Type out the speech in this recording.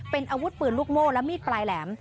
เป็นอาวุธปืนลูกโม่และมีดปลายแหลม